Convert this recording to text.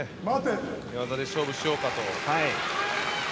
寝技で勝負しようかと。